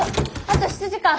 あと７時間。